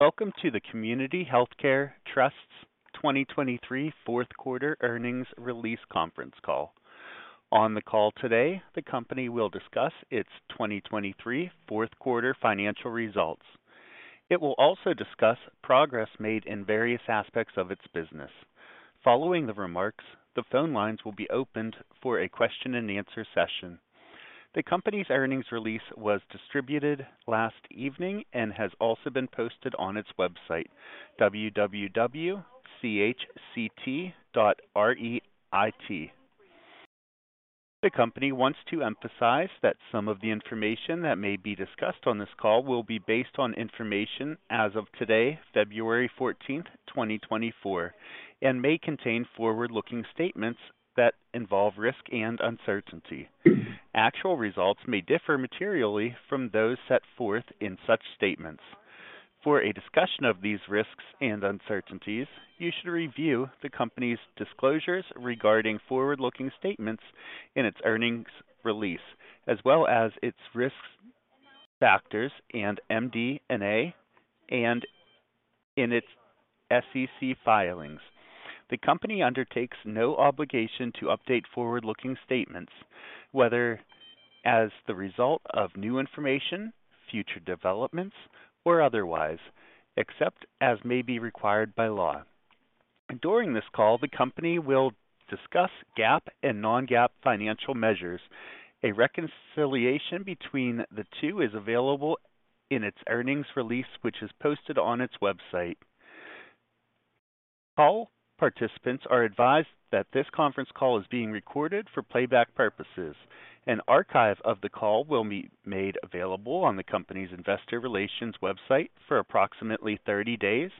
Welcome to the Community Healthcare Trust's 2023 fourth quarter earnings release conference call. On the call today, the company will discuss its 2023 fourth quarter financial results. It will also discuss progress made in various aspects of its business. Following the remarks, the phone lines will be opened for a question-and-answer session. The company's earnings release was distributed last evening and has also been posted on its website, www.chct.reit. The company wants to emphasize that some of the information that may be discussed on this call will be based on information as of today, February 14, 2024, and may contain forward-looking statements that involve risk and uncertainty. Actual results may differ materially from those set forth in such statements. For a discussion of these risks and uncertainties, you should review the company's disclosures regarding forward-looking statements in its earnings release, as well as its risk factors and MD&A, and in its SEC filings. The company undertakes no obligation to update forward-looking statements, whether as the result of new information, future developments, or otherwise, except as may be required by law. During this call, the company will discuss GAAP and non-GAAP financial measures. A reconciliation between the two is available in its earnings release, which is posted on its website. Call participants are advised that this conference call is being recorded for playback purposes. An archive of the call will be made available on the company's investor relations website for approximately 30 days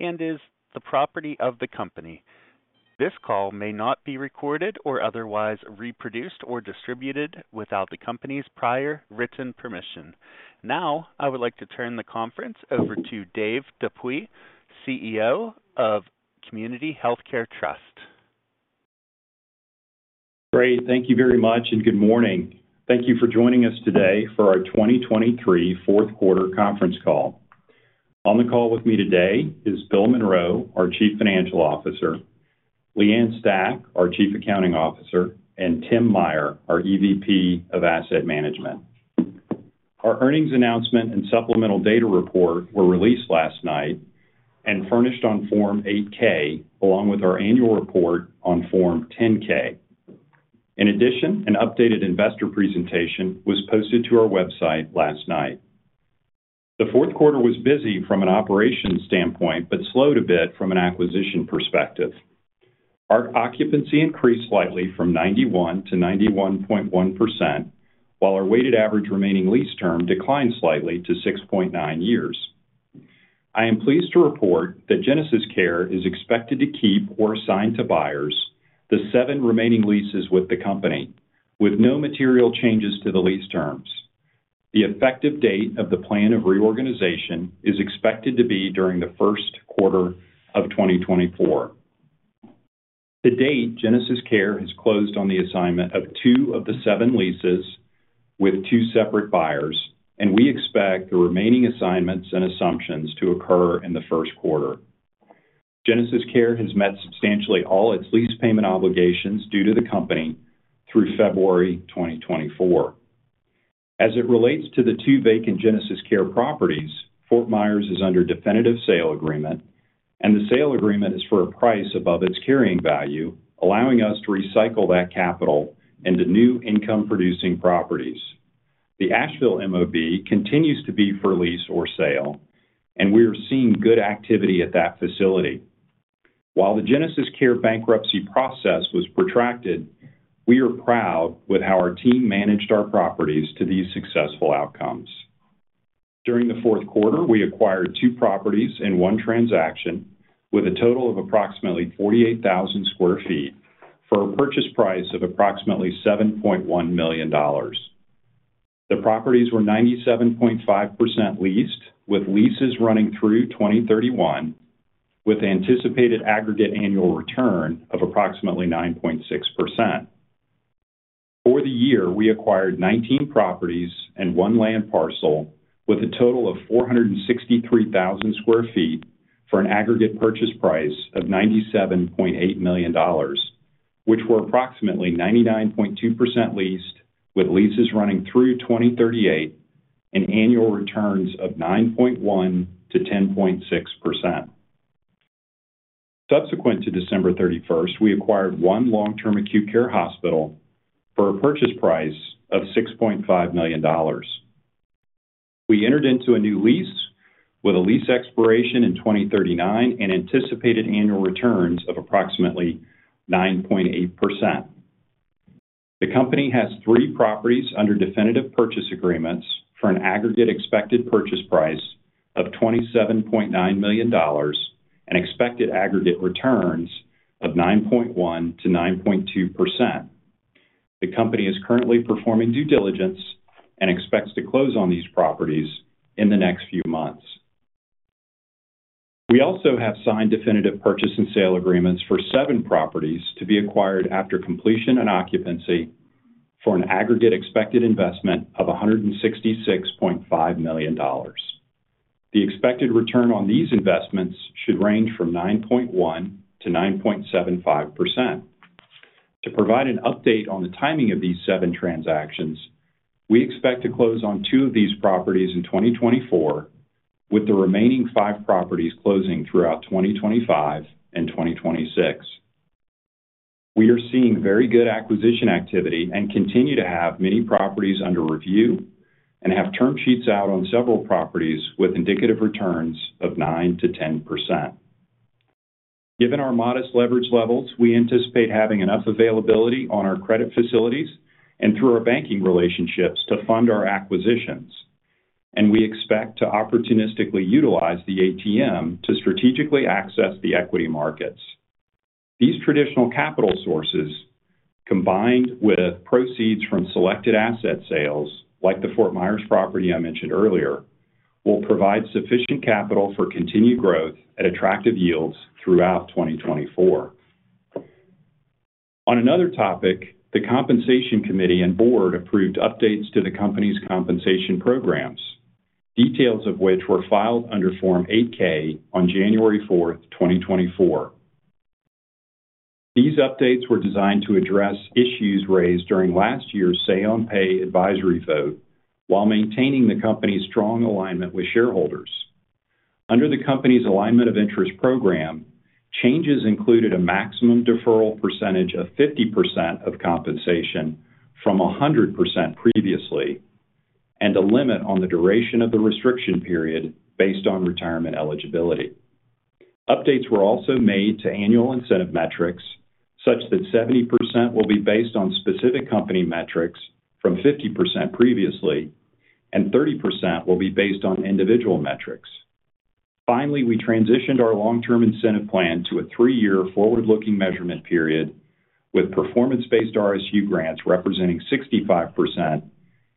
and is the property of the company. This call may not be recorded or otherwise reproduced or distributed without the company's prior written permission. Now, I would like to turn the conference over to Dave Dupuy, CEO of Community Healthcare Trust. Great. Thank you very much and good morning. Thank you for joining us today for our 2023 fourth quarter conference call. On the call with me today is Bill Monroe, our Chief Financial Officer, Leigh Ann Stach, our Chief Accounting Officer, and Tim Meyer, our EVP of Asset Management. Our earnings announcement and supplemental data report were released last night and furnished on Form 8-K, along with our annual report on Form 10-K. In addition, an updated investor presentation was posted to our website last night. The fourth quarter was busy from an operations standpoint but slowed a bit from an acquisition perspective. Our occupancy increased slightly from 91% to 91.1%, while our weighted average remaining lease term declined slightly to 6.9 years. I am pleased to report that GenesisCare is expected to keep or assign to buyers the seven remaining leases with the company, with no material changes to the lease terms. The effective date of the plan of reorganization is expected to be during the first quarter of 2024. To date, GenesisCare has closed on the assignment of two of the seven leases with two separate buyers, and we expect the remaining assignments and assumptions to occur in the first quarter. GenesisCare has met substantially all its lease payment obligations due to the company through February 2024. As it relates to the two vacant GenesisCare properties, Fort Myers is under definitive sale agreement, and the sale agreement is for a price above its carrying value, allowing us to recycle that capital into new income-producing properties. The Asheville MOB continues to be for lease or sale, and we are seeing good activity at that facility. While the GenesisCare bankruptcy process was protracted, we are proud with how our team managed our properties to these successful outcomes. During the fourth quarter, we acquired two properties in one transaction with a total of approximately 48,000 sq ft for a purchase price of approximately $7.1 million. The properties were 97.5% leased, with leases running through 2031, with anticipated aggregate annual return of approximately 9.6%. For the year, we acquired 19 properties and one land parcel with a total of 463,000 sq ft for an aggregate purchase price of $97.8 million, which were approximately 99.2% leased, with leases running through 2038 and annual returns of 9.1%-10.6%. Subsequent to December 31st, we acquired one long-term acute care hospital for a purchase price of $6.5 million. We entered into a new lease with a lease expiration in 2039 and anticipated annual returns of approximately 9.8%. The company has three properties under definitive purchase agreements for an aggregate expected purchase price of $27.9 million and expected aggregate returns of 9.1%-9.2%. The company is currently performing due diligence and expects to close on these properties in the next few months. We also have signed definitive purchase and sale agreements for seven properties to be acquired after completion and occupancy for an aggregate expected investment of $166.5 million. The expected return on these investments should range from 9.1%-9.75%. To provide an update on the timing of these seven transactions, we expect to close on two of these properties in 2024, with the remaining five properties closing throughout 2025 and 2026. We are seeing very good acquisition activity and continue to have many properties under review and have term sheets out on several properties with indicative returns of 9%-10%. Given our modest leverage levels, we anticipate having enough availability on our credit facilities and through our banking relationships to fund our acquisitions, and we expect to opportunistically utilize the ATM to strategically access the equity markets. These traditional capital sources, combined with proceeds from selected asset sales like the Fort Myers property I mentioned earlier, will provide sufficient capital for continued growth at attractive yields throughout 2024. On another topic, the Compensation Committee and Board approved updates to the company's compensation programs, details of which were filed under Form 8-K on January 4, 2024. These updates were designed to address issues raised during last year's Say-on-Pay advisory vote while maintaining the company's strong alignment with shareholders. Under the company's Alignment of Interest Program, changes included a maximum deferral percentage of 50% of compensation from 100% previously and a limit on the duration of the restriction period based on retirement eligibility. Updates were also made to annual incentive metrics, such that 70% will be based on specific company metrics from 50% previously, and 30% will be based on individual metrics. Finally, we transitioned our long-term incentive plan to a three-year forward-looking measurement period, with performance-based RSU grants representing 65%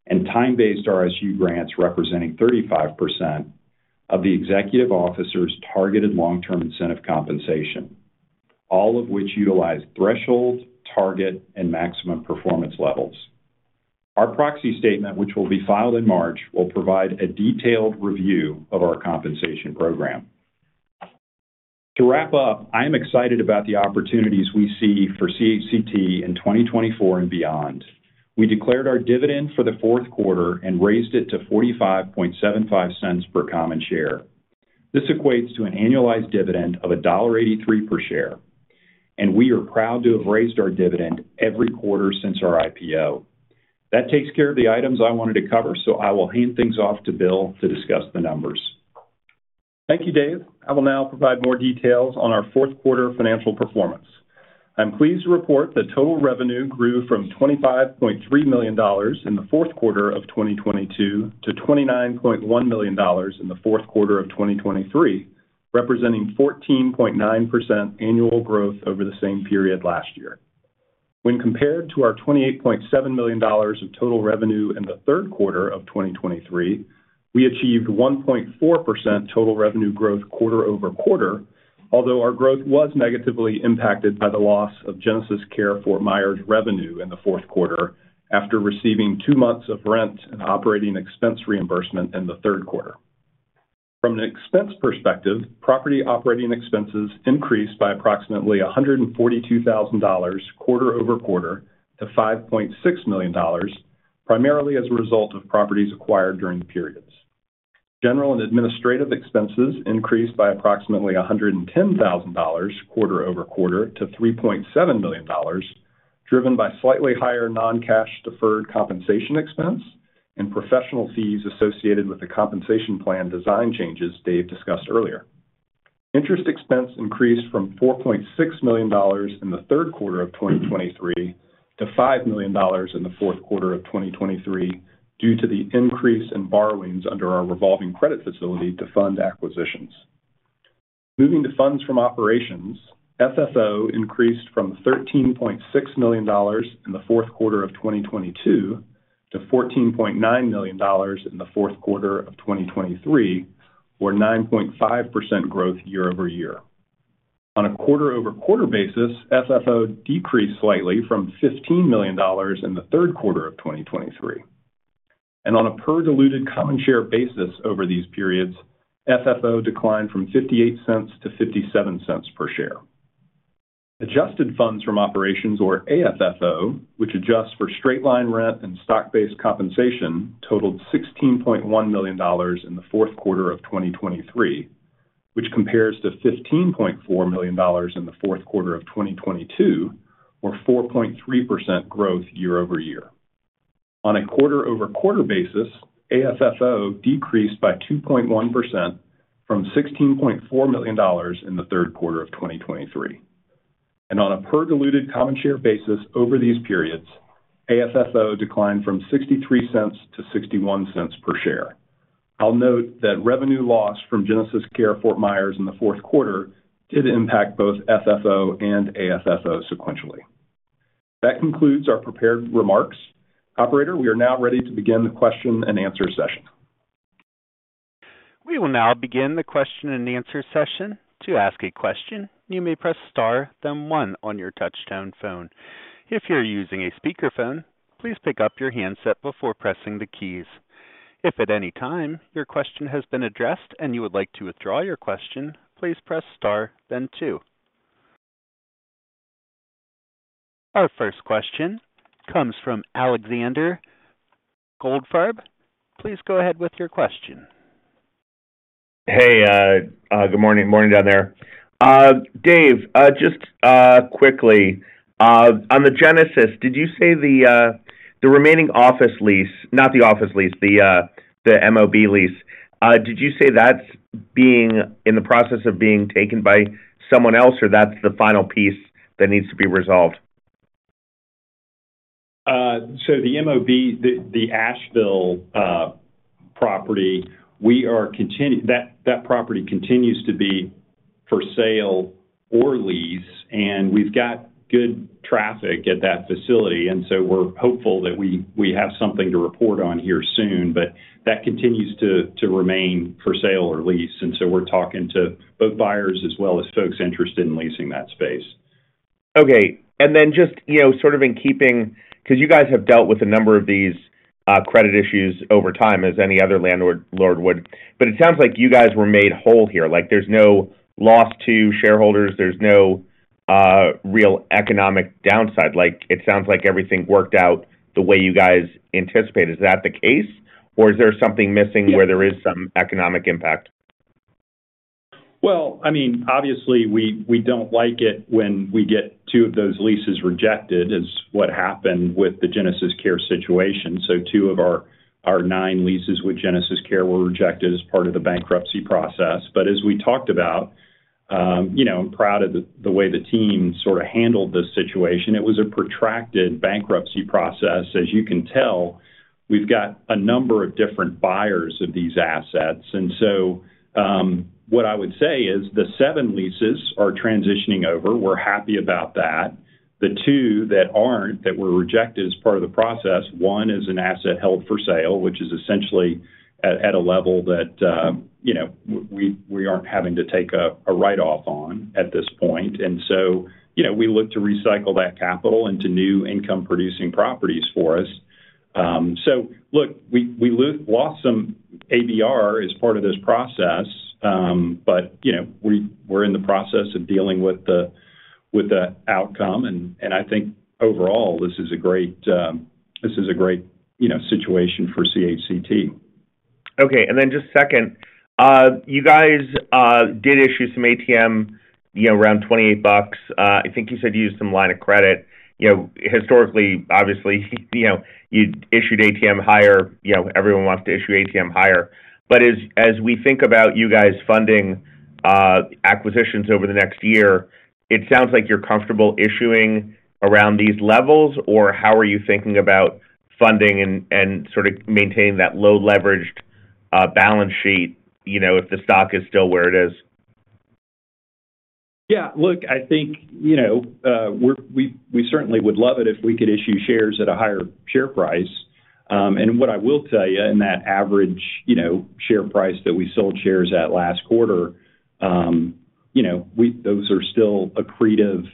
and time-based RSU grants representing 35% of the executive officer's targeted long-term incentive compensation, all of which utilize threshold, target, and maximum performance levels. Our proxy statement, which will be filed in March, will provide a detailed review of our compensation program. To wrap up, I am excited about the opportunities we see for CHCT in 2024 and beyond. We declared our dividend for the fourth quarter and raised it to $0.4575 per common share. This equates to an annualized dividend of $1.83 per share, and we are proud to have raised our dividend every quarter since our IPO. That takes care of the items I wanted to cover, so I will hand things off to Bill to discuss the numbers. Thank you, Dave. I will now provide more details on our fourth quarter financial performance. I'm pleased to report that total revenue grew from $25.3 million in the fourth quarter of 2022 to $29.1 million in the fourth quarter of 2023, representing 14.9% annual growth over the same period last year. When compared to our $28.7 million of total revenue in the third quarter of 2023, we achieved 1.4% total revenue growth quarter-over-quarter, although our growth was negatively impacted by the loss of GenesisCare Fort Myers revenue in the fourth quarter after receiving two months of rent and operating expense reimbursement in the third quarter. From an expense perspective, property operating expenses increased by approximately $142,000 quarter-over-quarter to $5.6 million, primarily as a result of properties acquired during the periods. General and administrative expenses increased by approximately $110,000 quarter-over-quarter to $3.7 million, driven by slightly higher non-cash deferred compensation expense and professional fees associated with the compensation plan design changes Dave discussed earlier. Interest expense increased from $4.6 million in the third quarter of 2023 to $5 million in the fourth quarter of 2023 due to the increase in borrowings under our revolving credit facility to fund acquisitions. Moving to funds from operations, FFO increased from $13.6 million in the fourth quarter of 2022 to $14.9 million in the fourth quarter of 2023, or 9.5% growth year-over-year. On a quarter-over-quarter basis, FFO decreased slightly from $15 million in the third quarter of 2023. On a per-diluted common share basis over these periods, FFO declined from $0.58 to $0.57 per share. Adjusted funds from operations, or AFFO, which adjusts for straight-line rent and stock-based compensation, totaled $16.1 million in the fourth quarter of 2023, which compares to $15.4 million in the fourth quarter of 2022, or 4.3% growth year over year. On a quarter over quarter basis, AFFO decreased by 2.1% from $16.4 million in the third quarter of 2023. On a per diluted common share basis over these periods, AFFO declined from $0.63 to $0.61 per share. I'll note that revenue loss from GenesisCare Fort Myers in the fourth quarter did impact both FFO and AFFO sequentially. That concludes our prepared remarks. Operator, we are now ready to begin the question-and-answer session. We will now begin the question-and-answer session. To ask a question, you may press star, then one on your touch-tone phone. If you're using a speakerphone, please pick up your handset before pressing the keys. If at any time your question has been addressed and you would like to withdraw your question, please press star, then two. Our first question comes from Alexander Goldfarb. Please go ahead with your question. Hey. Good morning. Morning down there. Dave, just quickly, on the Genesis, did you say the remaining office lease, not the office lease, the MOB lease, did you say that's in the process of being taken by someone else, or that's the final piece that needs to be resolved? So the MOB, the Asheville property, that property continues to be for sale or lease, and we've got good traffic at that facility. So we're hopeful that we have something to report on here soon, but that continues to remain for sale or lease. So we're talking to both buyers as well as folks interested in leasing that space. Okay. And then just sort of in keeping because you guys have dealt with a number of these credit issues over time, as any other landlord would, but it sounds like you guys were made whole here. There's no loss to shareholders. There's no real economic downside. It sounds like everything worked out the way you guys anticipated. Is that the case, or is there something missing where there is some economic impact? Well, I mean, obviously, we don't like it when we get two of those leases rejected, is what happened with the GenesisCare situation. So two of our nine leases with GenesisCare were rejected as part of the bankruptcy process. But as we talked about, I'm proud of the way the team sort of handled this situation. It was a protracted bankruptcy process. As you can tell, we've got a number of different buyers of these assets. And so what I would say is the seven leases are transitioning over. We're happy about that. The two that were rejected as part of the process, one is an asset held for sale, which is essentially at a level that we aren't having to take a write-off on at this point. And so we look to recycle that capital into new income-producing properties for us. So look, we lost some ABR as part of this process, but we're in the process of dealing with the outcome. And I think overall, this is a great situation for CHCT. Okay. And then just second, you guys did issue some ATM around $28. I think you said you used some line of credit. Historically, obviously, you issued ATM higher. Everyone wants to issue ATM higher. But as we think about you guys funding acquisitions over the next year, it sounds like you're comfortable issuing around these levels, or how are you thinking about funding and sort of maintaining that low-leveraged balance sheet if the stock is still where it is? Yeah. Look, I think we certainly would love it if we could issue shares at a higher share price. And what I will tell you, in that average share price that we sold shares at last quarter, those are still accretive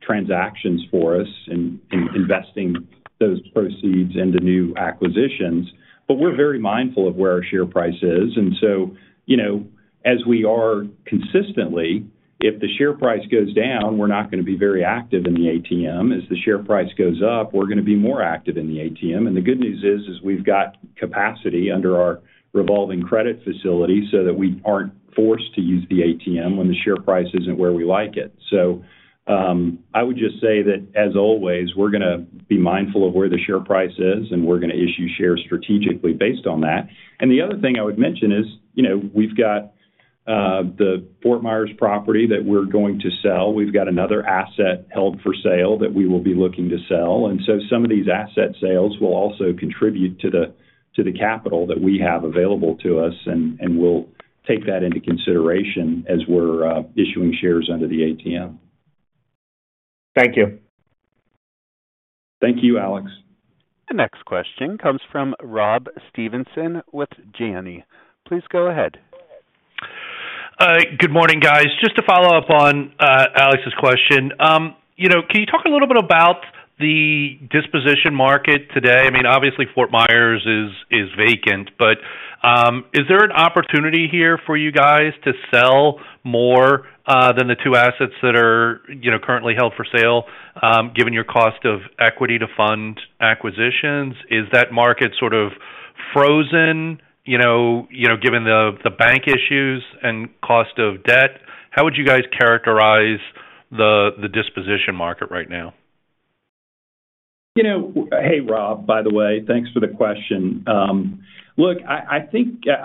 transactions for us in investing those proceeds into new acquisitions. But we're very mindful of where our share price is. And so as we are consistently, if the share price goes down, we're not going to be very active in the ATM. As the share price goes up, we're going to be more active in the ATM. And the good news is, is we've got capacity under our revolving credit facility so that we aren't forced to use the ATM when the share price isn't where we like it. I would just say that, as always, we're going to be mindful of where the share price is, and we're going to issue shares strategically based on that. The other thing I would mention is we've got the Fort Myers property that we're going to sell. We've got another asset held for sale that we will be looking to sell. Some of these asset sales will also contribute to the capital that we have available to us, and we'll take that into consideration as we're issuing shares under the ATM. Thank you. Thank you, Alexander. The next question comes from Rob Stevenson with Janney. Please go ahead. Good morning, guys. Just to follow up on Alexander's question, can you talk a little bit about the disposition market today? I mean, obviously, Fort Myers is vacant, but is there an opportunity here for you guys to sell more than the two assets that are currently held for sale, given your cost of equity to fund acquisitions? Is that market sort of frozen given the bank issues and cost of debt? How would you guys characterize the disposition market right now? Hey, Rob, by the way, thanks for the question. Look, I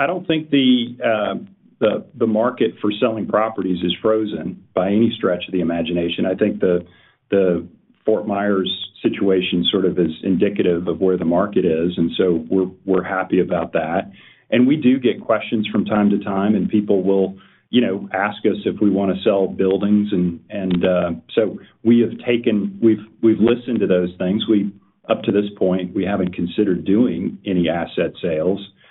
don't think the market for selling properties is frozen by any stretch of the imagination. I think the Fort Myers situation sort of is indicative of where the market is, and so we're happy about that. We do get questions from time to time, and people will ask us if we want to sell buildings. And so we have listened to those things. Up to this point, we haven't considered doing any asset sales. But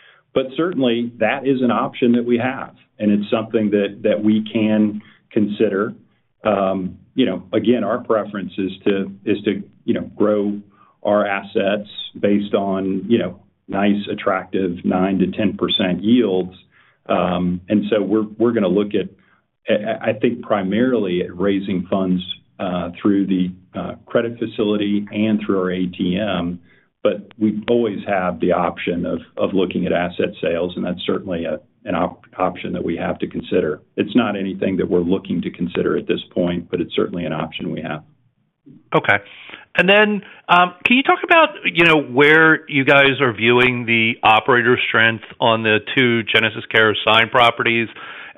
certainly, that is an option that we have, and it's something that we can consider. Again, our preference is to grow our assets based on nice, attractive 9%-10% yields. And so we're going to look at, I think, primarily at raising funds through the credit facility and through our ATM. We always have the option of looking at asset sales, and that's certainly an option that we have to consider. It's not anything that we're looking to consider at this point, but it's certainly an option we have. Okay. Then can you talk about where you guys are viewing the operator strength on the two GenesisCare assigned properties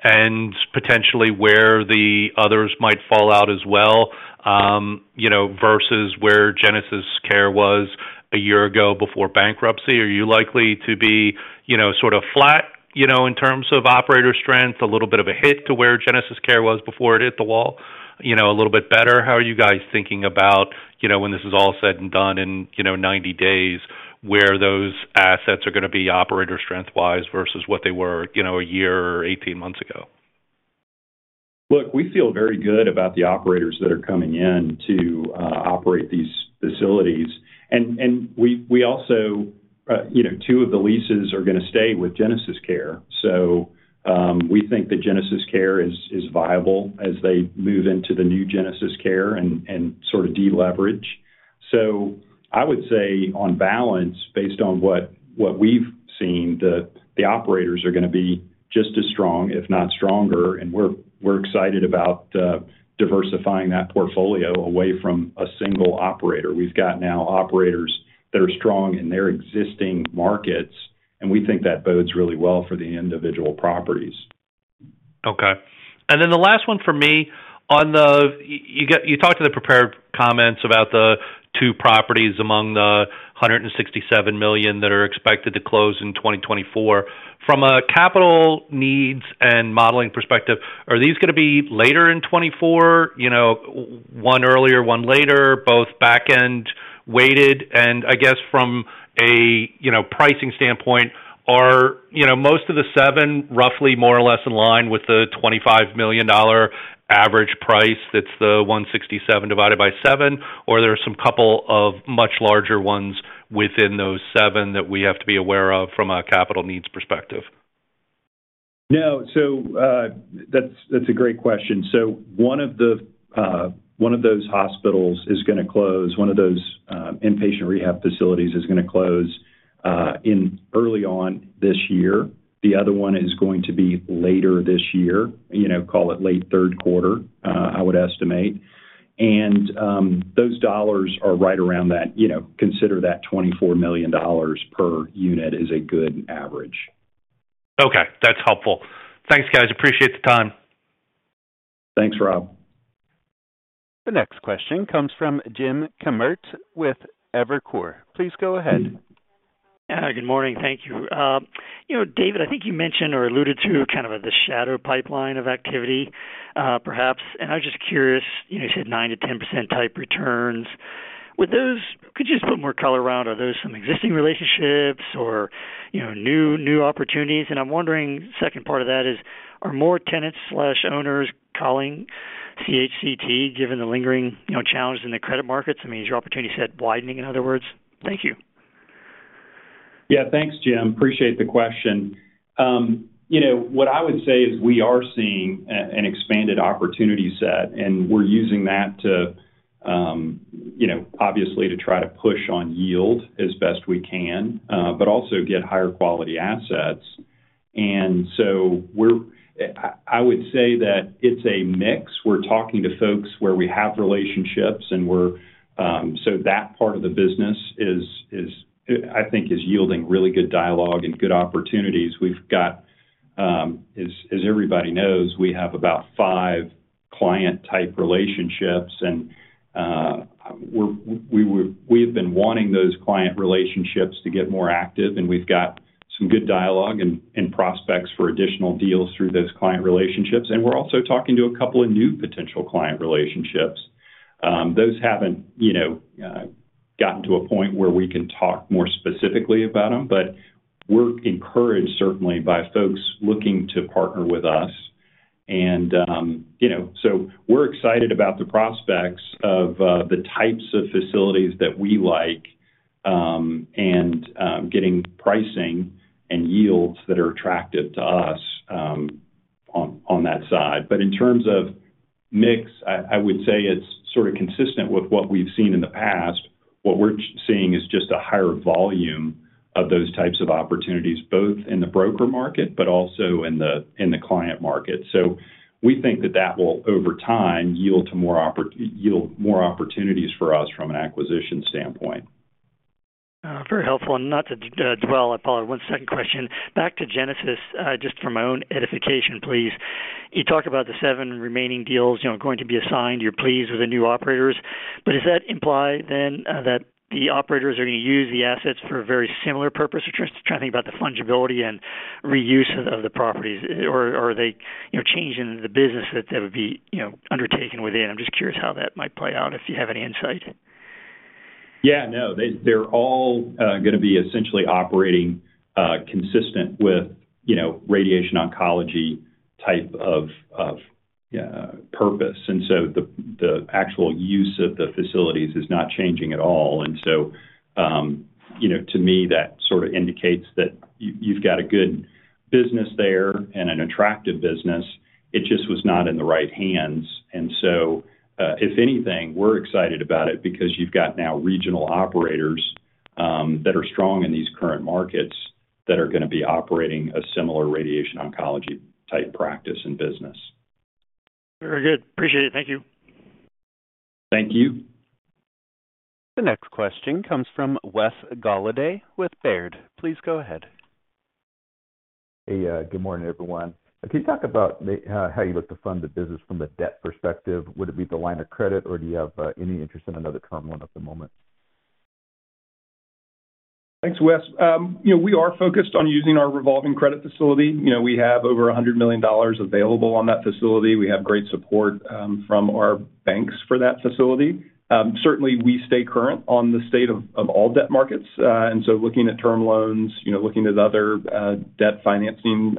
and potentially where the others might fall out as well versus where GenesisCare was a year ago before bankruptcy? Are you likely to be sort of flat in terms of operator strength, a little bit of a hit to where GenesisCare was before it hit the wall, a little bit better? How are you guys thinking about, when this is all said and done in 90 days, where those assets are going to be operator strength-wise versus what they were a year or 18 months ago? Look, we feel very good about the operators that are coming in to operate these facilities. And two of the leases are going to stay with GenesisCare. So we think that GenesisCare is viable as they move into the new GenesisCare and sort of de-leverage. So I would say, on balance, based on what we've seen, the operators are going to be just as strong, if not stronger. And we're excited about diversifying that portfolio away from a single operator. We've got now operators that are strong in their existing markets, and we think that bodes really well for the individual properties. Okay. And then the last one for me, you talked to the prepared comments about the two properties among the $167 million that are expected to close in 2024. From a capital needs and modeling perspective, are these going to be later in 2024, one earlier, one later, both back-end weighted? And I guess from a pricing standpoint, are most of the seven roughly more or less in line with the $25 million average price that's the 167 divided by 7, or are there some couple of much larger ones within those seven that we have to be aware of from a capital needs perspective? No. So that's a great question. So one of those hospitals is going to close. One of those inpatient rehab facilities is going to close early on this year. The other one is going to be later this year, call it late third quarter, I would estimate. And those dollars are right around that. Consider that $24 million per unit as a good average. Okay. That's helpful. Thanks, guys. Appreciate the time. Thanks, Rob. The next question comes from Jim Kammert with Evercore. Please go ahead. Yeah. Good morning. Thank you. Dave, I think you mentioned or alluded to kind of the shadow pipeline of activity, perhaps. And I was just curious, you said 9%-10% type returns. Could you just put more color around, are those some existing relationships or new opportunities? And I'm wondering, second part of that is, are more tenants/owners calling CHCT given the lingering challenges in the credit markets? I mean, is your opportunity, you said, widening, in other words? Thank you. Yeah. Thanks, Jim. Appreciate the question. What I would say is we are seeing an expanded opportunity set, and we're using that, obviously, to try to push on yield as best we can, but also get higher-quality assets. And so I would say that it's a mix. We're talking to folks where we have relationships, and so that part of the business, I think, is yielding really good dialogue and good opportunities. As everybody knows, we have about five client-type relationships, and we have been wanting those client relationships to get more active. And we've got some good dialogue and prospects for additional deals through those client relationships. And we're also talking to a couple of new potential client relationships. Those haven't gotten to a point where we can talk more specifically about them, but we're encouraged, certainly, by folks looking to partner with us. We're excited about the prospects of the types of facilities that we like and getting pricing and yields that are attractive to us on that side. But in terms of mix, I would say it's sort of consistent with what we've seen in the past. What we're seeing is just a higher volume of those types of opportunities, both in the broker market but also in the client market. So we think that that will, over time, yield more opportunities for us from an acquisition standpoint. Very helpful. Not to dwell, I apologize, one second question. Back to Genesis, just for my own edification, please. You talk about the seven remaining deals going to be assigned. You're pleased with the new operators. Does that imply, then, that the operators are going to use the assets for a very similar purpose? We're trying to think about the fungibility and reuse of the properties, or are they changing the business that would be undertaken within? I'm just curious how that might play out, if you have any insight. Yeah. No. They're all going to be essentially operating consistent with radiation oncology type of purpose. And so the actual use of the facilities is not changing at all. And so to me, that sort of indicates that you've got a good business there and an attractive business. It just was not in the right hands. And so if anything, we're excited about it because you've got now regional operators that are strong in these current markets that are going to be operating a similar radiation oncology type practice and business. Very good. Appreciate it. Thank you. Thank you. The next question comes from Wes Golladay with Baird. Please go ahead. Hey. Good morning, everyone. Can you talk about how you look to fund the business from a debt perspective? Would it be the line of credit, or do you have any interest in another term loan at the moment? Thanks, Wes. We are focused on using our revolving credit facility. We have over $100 million available on that facility. We have great support from our banks for that facility. Certainly, we stay current on the state of all debt markets, and so looking at term loans, looking at other debt financing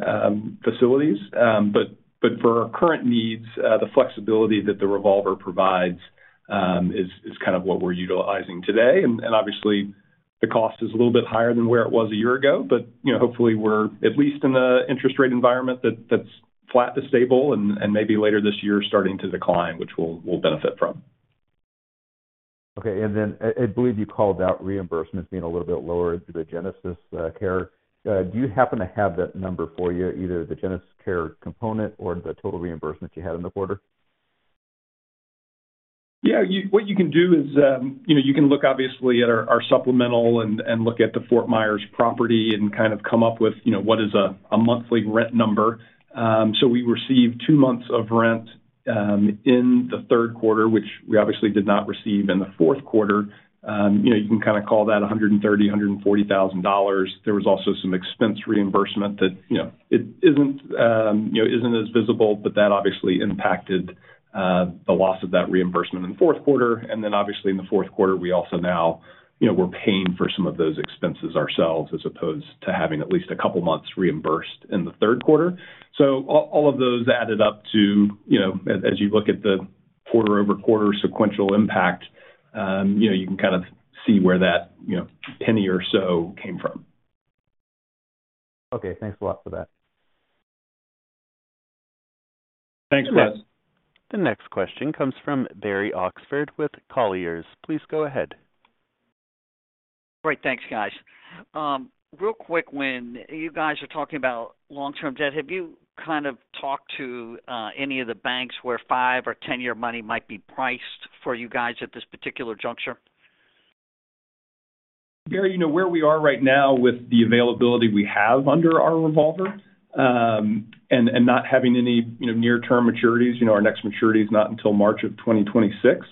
facilities. But for our current needs, the flexibility that the revolver provides is kind of what we're utilizing today. And obviously, the cost is a little bit higher than where it was a year ago, but hopefully, we're at least in an interest rate environment that's flat to stable and maybe later this year starting to decline, which we'll benefit from. Okay. And then I believe you called out reimbursements being a little bit lower through the GenesisCare. Do you happen to have that number for you, either the GenesisCare component or the total reimbursement you had in the quarter? Yeah. What you can do is you can look, obviously, at our supplemental and look at the Fort Myers property and kind of come up with what is a monthly rent number. So we received two months of rent in the third quarter, which we obviously did not receive in the fourth quarter. You can kind of call that $130,000-$140,000. There was also some expense reimbursement that isn't as visible, but that obviously impacted the loss of that reimbursement in the fourth quarter. And then obviously, in the fourth quarter, we also now were paying for some of those expenses ourselves as opposed to having at least a couple of months reimbursed in the third quarter. So all of those added up to, as you look at the quarter-over-quarter sequential impact, you can kind of see where that penny or so came from. Okay. Thanks a lot for that. Thanks, Wes. The next question comes from Barry Oxford with Colliers. Please go ahead. All right. Thanks, guys. Real quick, when you guys are talking about long-term debt, have you kind of talked to any of the banks where five or 10-year money might be priced for you guys at this particular juncture? Barry, where we are right now with the availability we have under our revolver and not having any near-term maturities, our next maturity is not until March of 2026,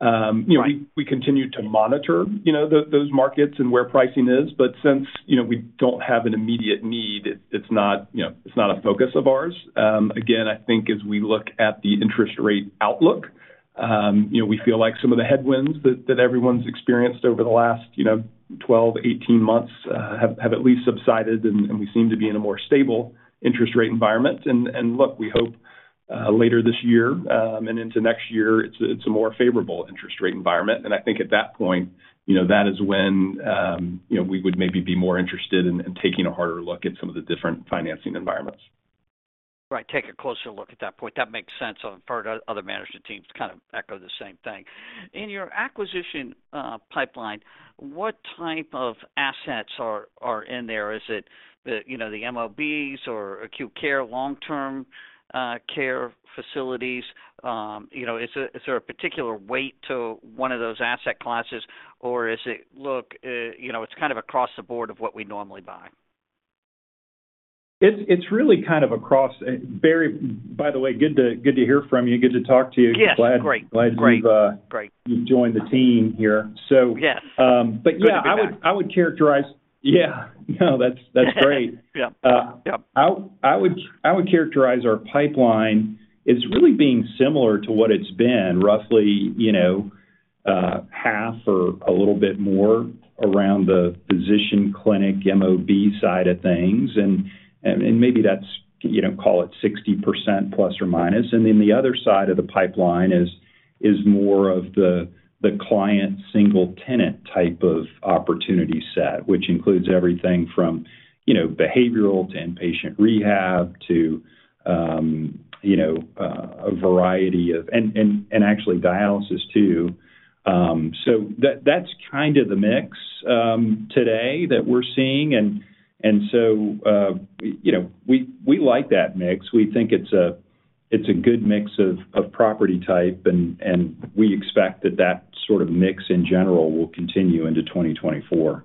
we continue to monitor those markets and where pricing is. But since we don't have an immediate need, it's not a focus of ours. Again, I think as we look at the interest rate outlook, we feel like some of the headwinds that everyone's experienced over the last 12-18 months have at least subsided, and we seem to be in a more stable interest rate environment. And look, we hope later this year and into next year, it's a more favorable interest rate environment. And I think at that point, that is when we would maybe be more interested in taking a harder look at some of the different financing environments. Right. Take a closer look at that point. That makes sense. I've heard other management teams kind of echo the same thing. In your acquisition pipeline, what type of assets are in there? Is it the MOBs or acute care, long-term care facilities? Is there a particular weight to one of those asset classes, or is it, look, it's kind of across the board of what we normally buy? It's really kind of across. Barry, by the way, good to hear from you. Good to talk to you. Glad you've joined the team here. But yeah, I would characterize yeah. No, that's great. I would characterize our pipeline as really being similar to what it's been, roughly half or a little bit more around the physician clinic MOB side of things. And maybe that's, call it, 60% ±. And then the other side of the pipeline is more of the client single tenant type of opportunity set, which includes everything from behavioral to inpatient rehab to a variety of and actually dialysis, too. So that's kind of the mix today that we're seeing. And so we like that mix. We think it's a good mix of property type, and we expect that that sort of mix, in general, will continue into 2024.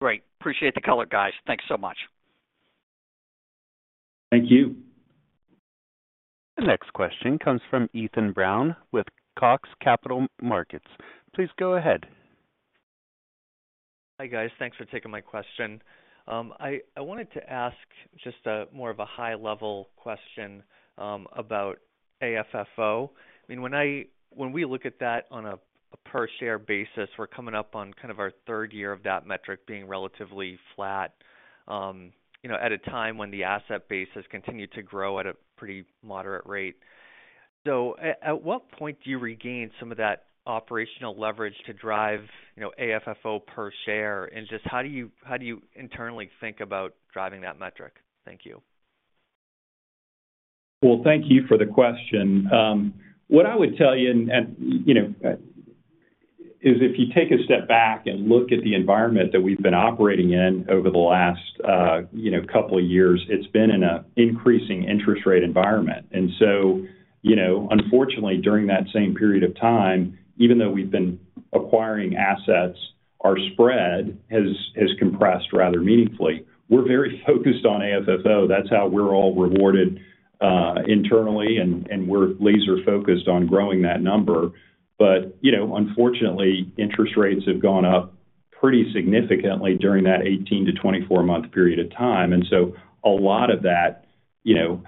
Great. Appreciate the color, guys. Thanks so much. Thank you. The next question comes from Ethan Brown with Compass Point. Please go ahead. Hi, guys. Thanks for taking my question. I wanted to ask just more of a high-level question about AFFO. I mean, when we look at that on a per-share basis, we're coming up on kind of our third year of that metric being relatively flat at a time when the asset base has continued to grow at a pretty moderate rate. So at what point do you regain some of that operational leverage to drive AFFO per share, and just how do you internally think about driving that metric? Thank you. Well, thank you for the question. What I would tell you is if you take a step back and look at the environment that we've been operating in over the last couple of years, it's been in an increasing interest rate environment. And so unfortunately, during that same period of time, even though we've been acquiring assets, our spread has compressed rather meaningfully. We're very focused on AFFO. That's how we're all rewarded internally, and we're laser-focused on growing that number. But unfortunately, interest rates have gone up pretty significantly during that 18-24-month period of time. And so a lot of that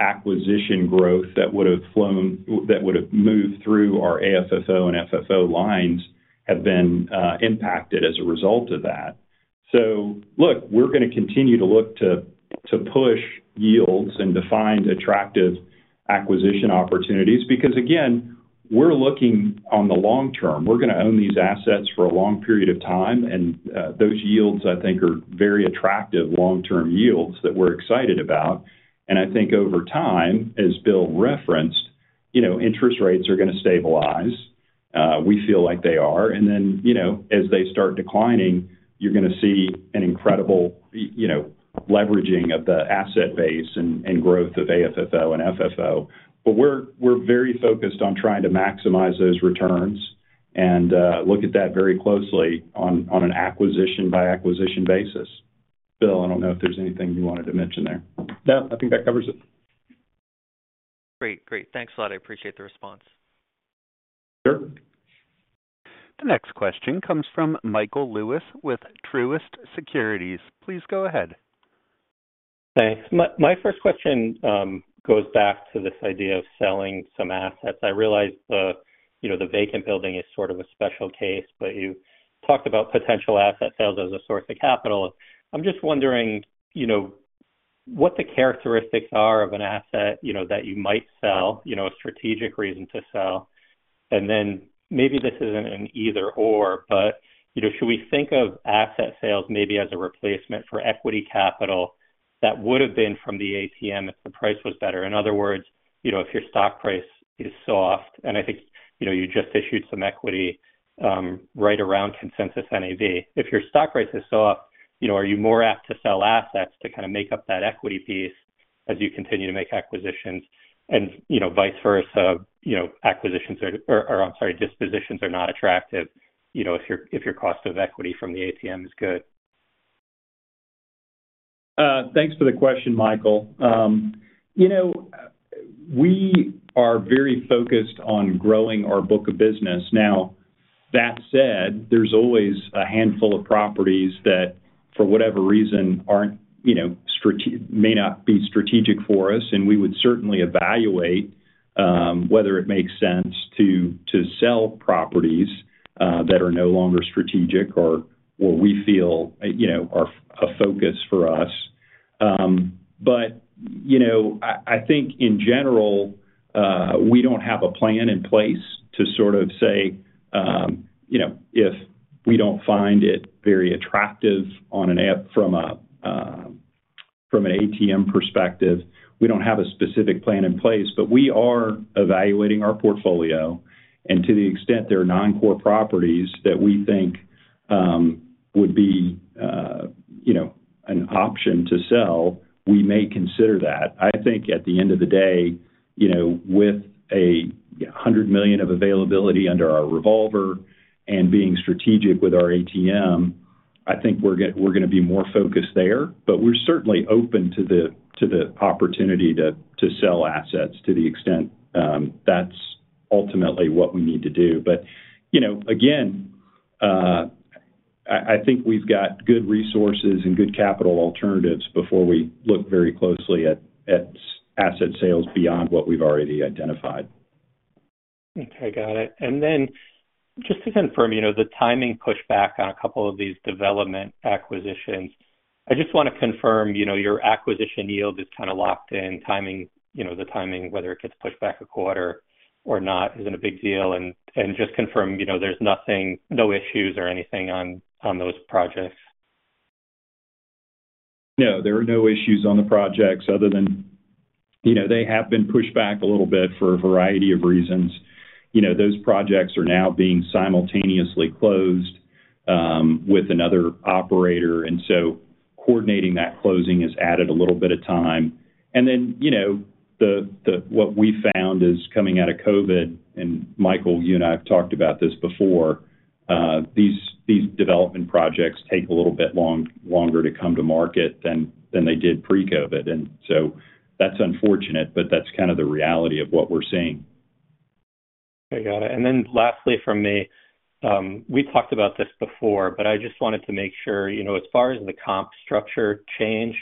acquisition growth that would have flown that would have moved through our AFFO and FFO lines have been impacted as a result of that. So look, we're going to continue to look to push yields and define attractive acquisition opportunities because, again, we're looking on the long term. We're going to own these assets for a long period of time, and those yields, I think, are very attractive long-term yields that we're excited about. And I think over time, as Bill referenced, interest rates are going to stabilize. We feel like they are. And then as they start declining, you're going to see an incredible leveraging of the asset base and growth of AFFO and FFO. But we're very focused on trying to maximize those returns and look at that very closely on an acquisition-by-acquisition basis. Bill, I don't know if there's anything you wanted to mention there. No, I think that covers it. Great. Great. Thanks a lot. I appreciate the response. Sure. The next question comes from Michael Lewis with Truist Securities. Please go ahead. Thanks. My first question goes back to this idea of selling some assets. I realize the vacant building is sort of a special case, but you talked about potential asset sales as a source of capital. I'm just wondering what the characteristics are of an asset that you might sell, a strategic reason to sell. And then maybe this isn't an either/or, but should we think of asset sales maybe as a replacement for equity capital that would have been from the ATM if the price was better? In other words, if your stock price is soft and I think you just issued some equity right around Consensus NAV. If your stock price is soft, are you more apt to sell assets to kind of make up that equity piece as you continue to make acquisitions and vice versa acquisitions or, I'm sorry, dispositions are not attractive if your cost of equity from the ATM is good? Thanks for the question, Michael. We are very focused on growing our book of business. Now, that said, there's always a handful of properties that, for whatever reason, may not be strategic for us. We would certainly evaluate whether it makes sense to sell properties that are no longer strategic or we feel are a focus for us. I think, in general, we don't have a plan in place to sort of say if we don't find it very attractive from an ATM perspective, we don't have a specific plan in place. We are evaluating our portfolio. To the extent there are non-core properties that we think would be an option to sell, we may consider that. I think at the end of the day, with $100 million of availability under our revolver and being strategic with our ATM, I think we're going to be more focused there. But we're certainly open to the opportunity to sell assets to the extent that's ultimately what we need to do. But again, I think we've got good resources and good capital alternatives before we look very closely at asset sales beyond what we've already identified. Okay. Got it. And then just to confirm, the timing pushback on a couple of these development acquisitions, I just want to confirm your acquisition yield is kind of locked in. The timing, whether it gets pushed back a quarter or not, isn't a big deal. And just confirm there's no issues or anything on those projects. No, there are no issues on the projects other than they have been pushed back a little bit for a variety of reasons. Those projects are now being simultaneously closed with another operator. And so coordinating that closing has added a little bit of time. And then what we found is coming out of COVID, and Michael, you and I have talked about this before, these development projects take a little bit longer to come to market than they did pre-COVID. And so that's unfortunate, but that's kind of the reality of what we're seeing. Okay. Got it. And then lastly from me, we talked about this before, but I just wanted to make sure as far as the comp structure changed,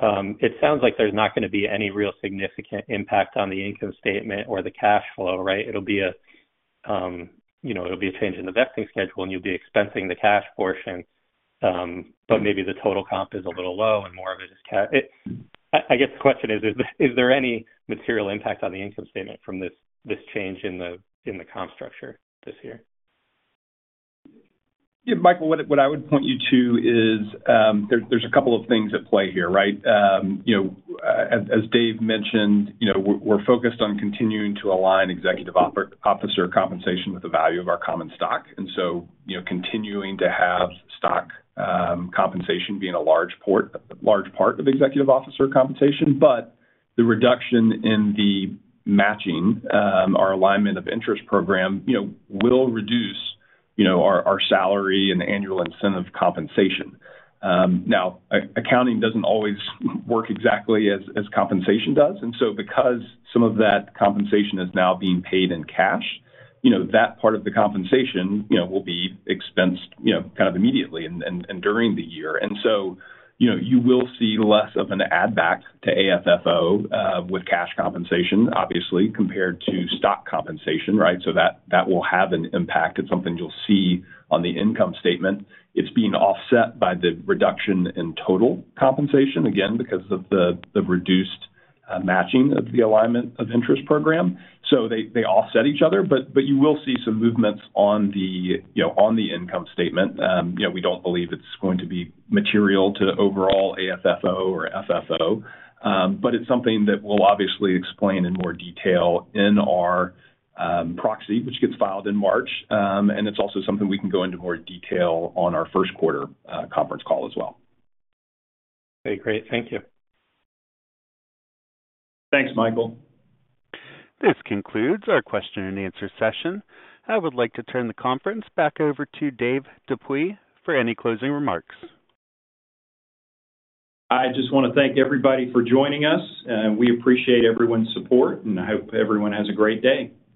it sounds like there's not going to be any real significant impact on the income statement or the cash flow, right? It'll be a change in the vesting schedule, and you'll be expensing the cash portion. But maybe the total comp is a little low, and more of it is I guess the question is, is there any material impact on the income statement from this change in the comp structure this year? Yeah, Michael, what I would point you to is there's a couple of things at play here, right? As Dave mentioned, we're focused on continuing to align executive officer compensation with the value of our common stock. And so continuing to have stock compensation being a large part of executive officer compensation. But the reduction in the matching, our alignment of interest program, will reduce our salary and the annual incentive compensation. Now, accounting doesn't always work exactly as compensation does. And so because some of that compensation is now being paid in cash, that part of the compensation will be expensed kind of immediately and during the year. And so you will see less of an add-back to AFFO with cash compensation, obviously, compared to stock compensation, right? So that will have an impact. It's something you'll see on the income statement. It's being offset by the reduction in total compensation, again, because of the reduced matching of the alignment of interest program. So they offset each other, but you will see some movements on the income statement. We don't believe it's going to be material to overall AFFO or FFO. But it's something that we'll obviously explain in more detail in our proxy, which gets filed in March. And it's also something we can go into more detail on our first-quarter conference call as well. Okay. Great. Thank you. Thanks, Michael. This concludes our question-and-answer session. I would like to turn the conference back over to Dave Dupuy for any closing remarks. I just want to thank everybody for joining us. We appreciate everyone's support, and I hope everyone has a great day.